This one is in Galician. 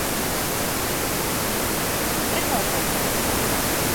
¿Recórdano?